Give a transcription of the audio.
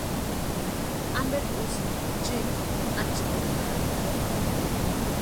¿Amperi úsïni chiiti ánchikwarhita jimpo?